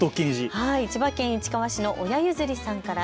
千葉県市川市のおやゆずりさんから。